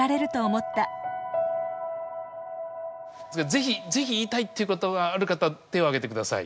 是非是非言いたいっていうことがある方手を挙げてください。